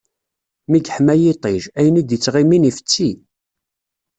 Mi yeḥma yiṭij, ayen i d-ittɣimin ifetti.